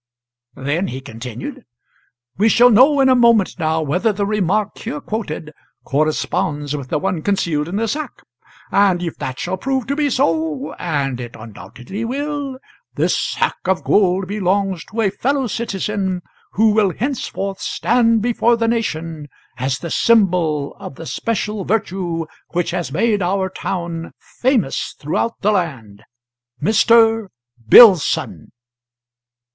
"'" Then he continued: "We shall know in a moment now whether the remark here quoted corresponds with the one concealed in the sack; and if that shall prove to be so and it undoubtedly will this sack of gold belongs to a fellow citizen who will henceforth stand before the nation as the symbol of the special virtue which has made our town famous throughout the land Mr. Billson!"